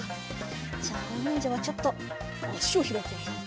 じゃあおにんじゃはちょっとあしをひらいてみよう。